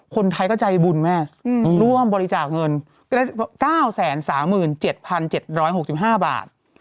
คนไทยก็ใจบุญแม่ร่วมบริจาคเงิน๙๓๗๗๖๕บาท